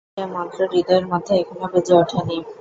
কিন্তু সে মন্ত্র হৃদয়ের মধ্যে এখানো বেজে ওঠে নি।